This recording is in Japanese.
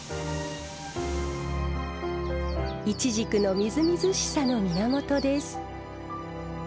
いちじくのみずみずしさの源です。